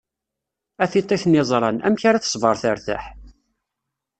A tiṭ i ten-iẓran, amek ara tesber tertaḥ?